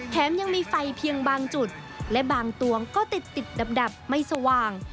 แถมยังมีไฟเพียงบางจุดและบางตวงก็ติดดับไม่สว่าง